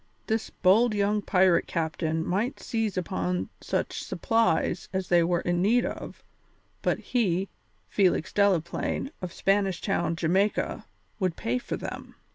This bold young pirate captain might seize upon such supplies as they were in need of, but he, Felix Delaplaine, of Spanish Town, Jamaica, would pay for them.